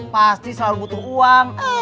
pasti selalu butuh uang